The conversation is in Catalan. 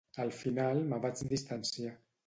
Al final me vaig distanciar